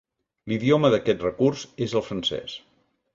L'idioma d'aquest recurs és el francès.